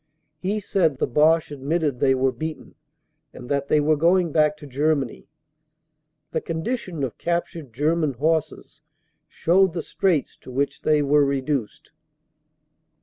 He said the Boche admitted they were beaten and that they were going back to Germany. The condition of captured German horses showed the straits to which they were reduced.